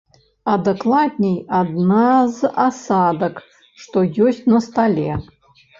А дакладней, адна з асадак, што ёсць на стале.